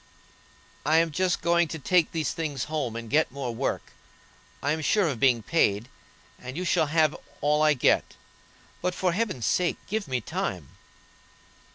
"I am just going to take these things home and get more work. I am sure of being paid, and you shall have all I get. But, for Heaven's sake, give me time."